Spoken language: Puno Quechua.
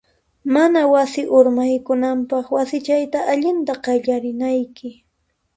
Mana wasi urmaykunanpaq, wasichayta allinta qallarinayki.